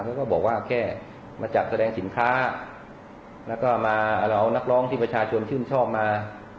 ก็บอกว่าแค่มาจัดแสดงสินค้าแล้วก็มาเอานักร้องที่ประชาชนชื่นชอบมา